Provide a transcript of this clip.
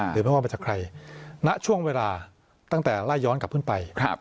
ไม่ว่ามาจากใครณช่วงเวลาตั้งแต่ไล่ย้อนกลับขึ้นไป